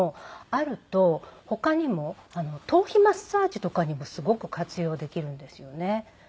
あると他にも頭皮マッサージとかにもすごく活用できるんですよね。